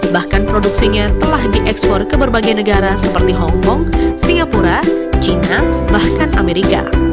bahkan produksinya telah diekspor ke berbagai negara seperti hongkong singapura china bahkan amerika